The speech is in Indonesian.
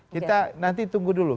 kita nanti tunggu dulu